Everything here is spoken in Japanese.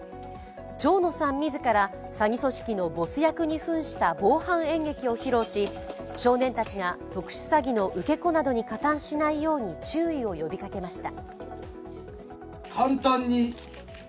蝶野さん自ら詐欺組織のボス役にふんした防犯演劇を披露し、少年たちが特殊詐欺の受け子などに加担しないように注意を呼びかけました。